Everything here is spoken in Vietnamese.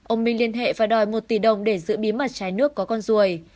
ông minh liên hệ và đòi một tỷ đồng để giữ bí mật trái nước có con ruồi